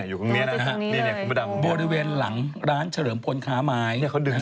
อยู่ตรงนี้นะฮะบริเวณหลังร้านเฉลิมพลค้าไม้